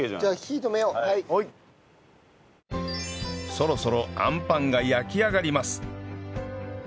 そろそろアンパンが焼き上がります